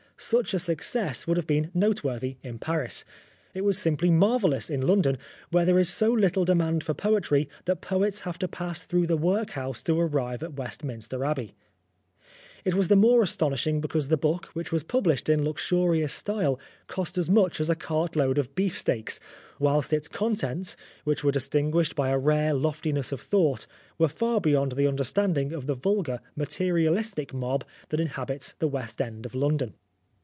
Such a success would have been noteworthy in Paris. It was simply marvellous in London, where there is so little demand for poetry that poets have to pass through the workhouse to arrive at West minster Abbey. It was the more astonishing because the book, which was published in luxurious style, cost as much as a cartload of beef steaks, whilst its contents, which were distinguished by a rare loftiness of thought, were far beyond the understanding of the 262 Oscar Wilde vulgar, materialistic mob that inhabits the West End of London.